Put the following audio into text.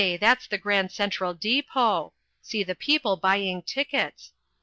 That's the Grand Central Depot! See the people buying tickets!